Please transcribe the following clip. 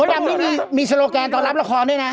ขอบคุณครับนี่มีโซโลแกนตอนรับละครด้วยนะ